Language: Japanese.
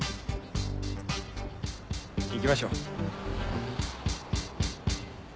行きましょう。